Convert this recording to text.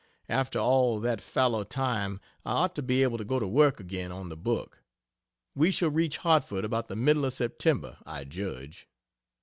After all that fallow time I ought to be able to go to work again on the book. We shall reach Hartford about the middle of September, I judge.